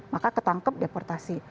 maka ketangkep deportasi